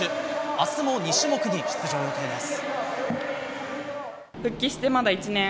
明日も２種目に出場予定です。